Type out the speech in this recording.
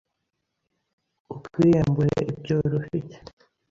ukwiyembure ibyo weri ufite